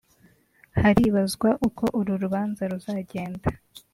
Haribazwa uko uru rubanza ruzajyenda